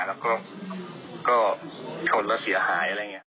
แล้วก็ชนแล้วเสียหาย